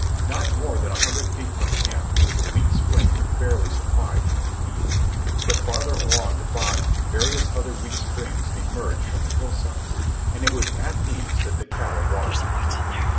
Not more than a hundred feet from camp was a weak spring that barely supplied human needs. But farther along the bottom various other weak springs emerged from the hillsides, and it was at these that the cattle watered.